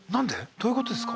どういうことですか？